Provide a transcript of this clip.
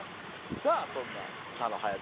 さぁそんな佐野勇斗